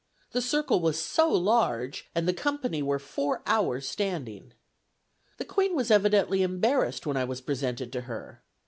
The circle was so large that the company were four hours standing. The Queen was evidently embarrassed when I was presented to her.